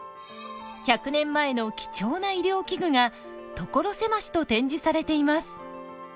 １００年前の貴重な医療器具が所狭しと展示されています。